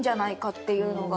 っていうのが。